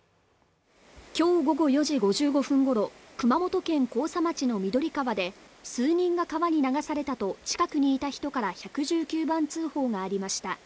今日午後４時５５分ごろ熊本県甲佐町の緑川で数人が川に流されたと近くにいた人から１１９番通報がありました